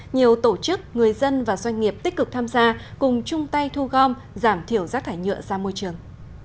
nhiều tổ chức người dân và doanh nghiệp tích cực tham gia cùng chung tay thu gom giảm thiểu rác thải nhựa ra môi trường